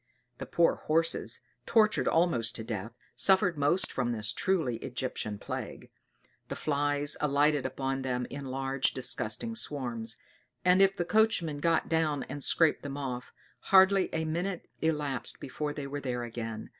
The poor horses, tortured almost to death, suffered most from this truly Egyptian plague; the flies alighted upon them in large disgusting swarms; and if the coachman got down and scraped them off, hardly a minute elapsed before they were there again.